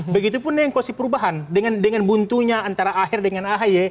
begitupun dengan koalisi perubahan dengan buntunya antara akhir dengan ahy